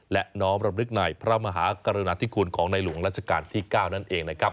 และน้อมรำนึกในพระมหากรณฑิกุลของในหลวงราชกาลที่๙นั่นเอง